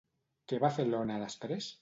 Què va fer l'Ona després?